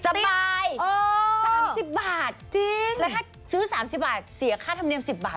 สบายสามสิบบาทแล้วถ้าซื้อสามสิบบาทเสียค่าธรรมเนียมสิบบาท